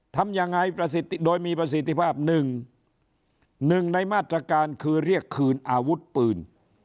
ทำยังไงประสิทธิโดยมีประสิทธิภาพหนึ่งหนึ่งในมาตรการคือเรียกคืนอาวุธปืน